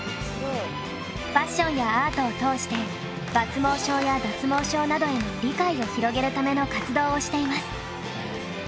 ファッションやアートを通して抜毛症や脱毛症などへの理解を広げるための活動をしています。